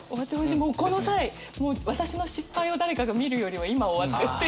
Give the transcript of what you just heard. もうこの際もう私の失敗を誰かが見るよりは今終わってっていう感じ。